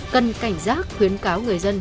cần cảnh giác khuyến cáo người dân